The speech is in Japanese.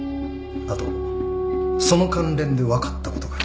あとその関連で分かったことが。